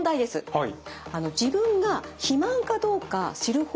はい。